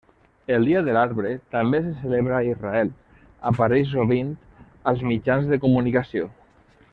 El Dia de l'Arbre també se celebra a Israel, apareix sovint als mitjans de comunicació.